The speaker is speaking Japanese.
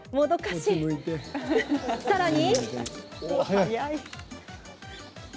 さらに。